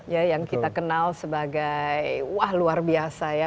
ya yang kita kenal sebagai wah luar biasa ya